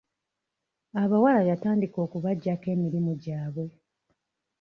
Abawala yatandika okubagyako emirimu gyabwe.